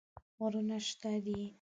غرونه شته دي.